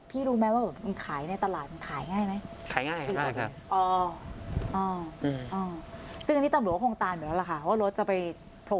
เป็นรุ่นที่ขายในตลาดขายง่ายไหม